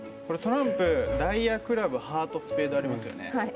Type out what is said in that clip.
トランプ、ダイヤ、クラブハート、スペードがありますよね。